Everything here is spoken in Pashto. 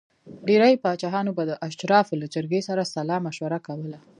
ډېری پاچاهانو به د اشرافو له جرګې سره سلا مشوره کوله.